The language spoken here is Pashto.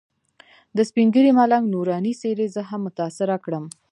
د سپین ږیري ملنګ نوراني څېرې زه هم متاثره کړم.